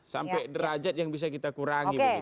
sampai derajat yang bisa kita kurangi begitu